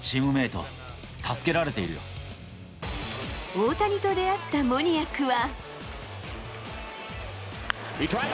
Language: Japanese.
大谷と出会ったモニアックは。